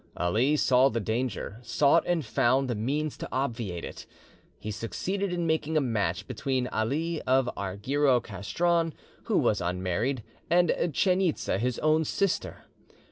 Ali saw the danger, sought and found the means to obviate it. He succeeded in making a match between Ali of Argyro Castron, who was unmarried, and Chainitza, his own sister.